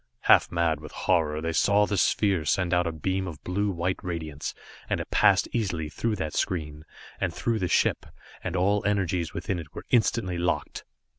Half mad with horror, they saw the sphere send out a beam of blue white radiance, and it passed easily through that screen, and through the ship, and all energies within it were instantly locked.